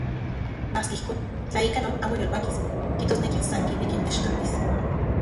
Maski ijkon, tla ika non amo yolpakis, kijtosneki san kineki techtoktis.